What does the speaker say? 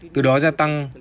từ đó gia tăng